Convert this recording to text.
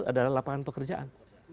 adalah lapangan pekerjaan